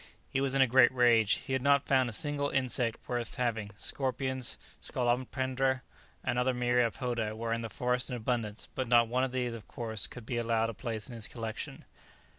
He was in a great rage. He had not found a single insect worth having, scorpions, scolopendra, and other myriapoda were in the forest in abundance; but not one of these of course could be allowed a place in his collection.